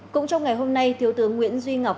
cũng trong ngày hôm nay thiếu tướng nguyễn duy ngọc